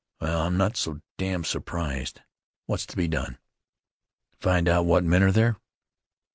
"Well, I'm not so damned surprised! What's to be done?" "Find out what men are there?"